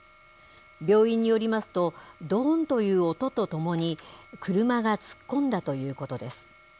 病院によりますと、どーんという音とともに、車が突っ込んだということです。